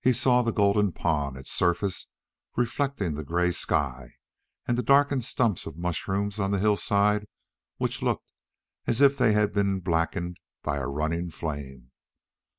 He saw the golden pond, its surface reflecting the gray sky and the darkened stumps of mushrooms on the hillside which looked as if they had been blackened by a running flame.